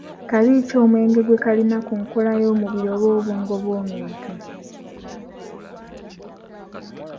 Kabi ki omwenge gwe kalina ku nkola y'omubiri oba obwongo bw'omuntu?